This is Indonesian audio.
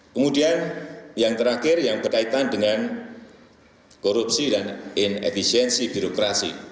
kemudian yang terakhir yang berkaitan dengan korupsi dan inefisiensi birokrasi